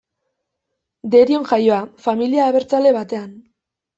Derion jaioa, familia abertzale batean.